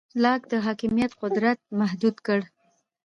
لاک د حاکمیت قدرت محدود کړ.